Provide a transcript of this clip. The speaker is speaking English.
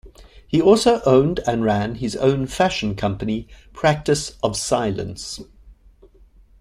He also owned and ran his own fashion company Practice of Silence.